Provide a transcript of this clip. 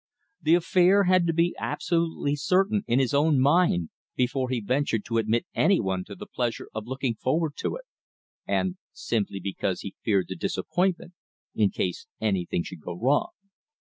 The affair had to be absolutely certain in his own mind before he ventured to admit anyone to the pleasure of looking forward to it, and simply because he so feared the disappointment in case anything should go wrong.